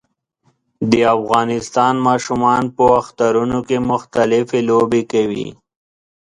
د افغانستان ماشومان په اخترونو کې مختلفي لوبې کوي